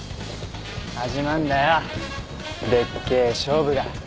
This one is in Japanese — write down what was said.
始まんだよでっけえ勝負が。